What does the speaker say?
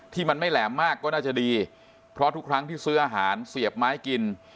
ที่มันไม่แหลมมากก็น่าจะดีเพราะทุกครั้งที่ซื้ออาหารเสียบไม้กิน